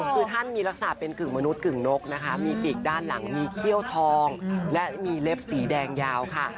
คือท่านมีลักษณะเป็นกึ่งมนุษยึ่งนกนะคะมีปีกด้านหลังมีเขี้ยวทองและมีเล็บสีแดงยาวค่ะ